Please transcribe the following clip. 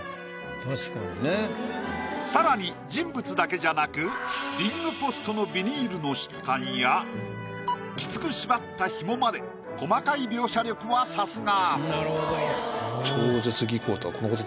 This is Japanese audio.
更に人物だけじゃなくリングポストのビニールの質感やきつく縛った紐まで細かい描写力はさすが。